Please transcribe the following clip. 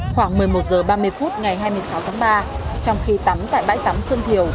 khoảng một mươi một h ba mươi phút ngày hai mươi sáu tháng ba trong khi tắm tại bãi tắm xuân thiều